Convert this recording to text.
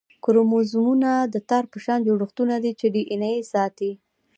کروموزومونه د تار په شان جوړښتونه دي چې ډي این اې ساتي